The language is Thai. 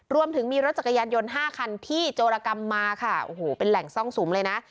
รวมถึงมีรถจักรยานยนต์ห้าคันที่โจรกรรมมาค่ะโอ้โหเป็นแหล่งซ่องสุมเลยนะ